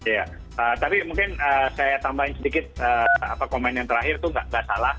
ya tapi mungkin saya tambahin sedikit komen yang terakhir itu nggak salah